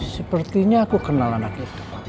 sepertinya aku kenal anak itu